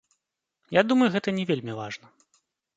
Я думаю, гэта не вельмі важна.